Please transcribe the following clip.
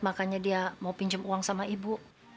makanya dia mau pinjam uang sama ibu